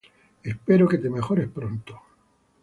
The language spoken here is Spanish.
Espero que te mejores pronto.